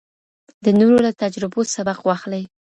د نورو له تجربو سبق واخلئ.